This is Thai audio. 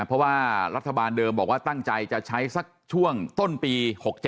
เพราะว่ารัฐบาลเดิมบอกว่าตั้งใจจะใช้สักช่วงต้นปี๖๗